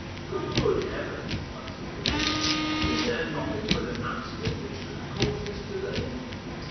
"Good heavens!" answered Derues, "is there nothing but an accident which could cause this delay?